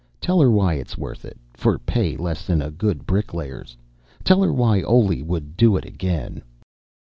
Tell her why it's worth it, for pay less than a good bricklayer's. Tell her why Oley would do it again.